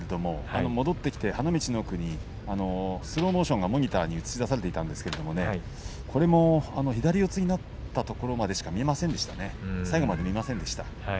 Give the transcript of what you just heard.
戻ってきて花道の奥にスローモーションがモニターに映し出されていたんですがこれも左四つになったところまでしか見ませんでした。